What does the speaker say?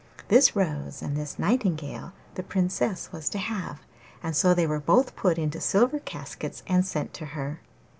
This rose and this nightingale the Princess was to have, and so they were both put into silver caskets and sent to her.